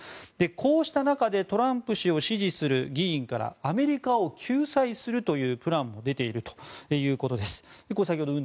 こうした中でトランプ氏を支持する議員からアメリカを救済するというプランが出ているということです。